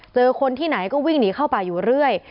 เจอคนที่ไหนก็วิ่งหนีเข้าป่าอยู่เรื่อย